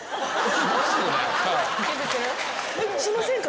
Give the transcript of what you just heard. しませんか？